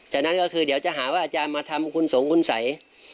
ฉะนั้นเดี๋ยวอาจารย์มาทำคุณสงค์คุณสัย